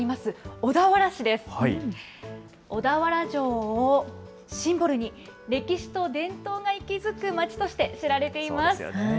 小田原城をシンボルに、歴史と伝統が息づく町として知られています。